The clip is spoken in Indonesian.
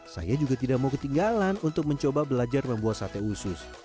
saya juga tidak mau ketinggalan untuk mencoba belajar membuat sate usus